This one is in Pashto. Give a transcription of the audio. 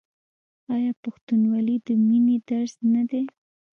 آیا پښتونولي د مینې درس نه دی؟